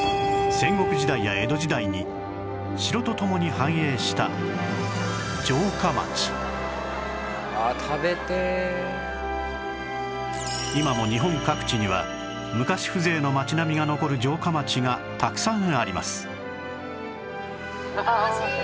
戦国時代や江戸時代に城と共に繁栄した今も日本各地には昔風情の町並みが残る城下町がたくさんあります